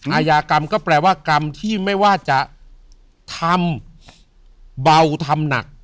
อาญากรรมก็แปลว่ากรรมที่ไม่ว่าจะทำเบาทำหนัก